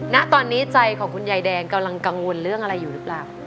ณตอนนี้ใจของคุณยายแดงกำลังกังวลเรื่องอะไรอยู่หรือเปล่า